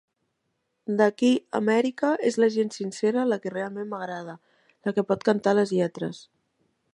D'aquí a Amèrica, és la gent sincera la que realment m'agrada, la que pot cantar les lletres.